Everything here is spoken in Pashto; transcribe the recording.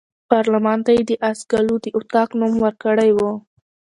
پارلمان ته یې د آس ګلو د اطاق نوم ورکړی وو.